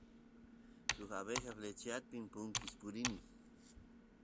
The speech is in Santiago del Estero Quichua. suk abeja flechyara punkiy apini